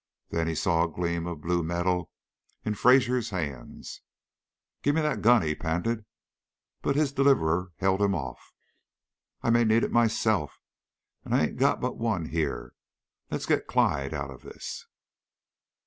Then he saw a gleam of blue metal in Fraser's hands. "Give me that gun!" he panted, but his deliverer held him off. "I may need it myself, and I ain't got but the one here! Let's get Clyde out of this."